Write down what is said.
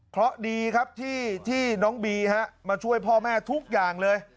เพราะดีครับที่น้องบีมาช่วยพ่อแม่ทุกอย่างเลย